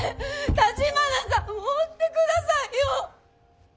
橘さんもおってくださいよ！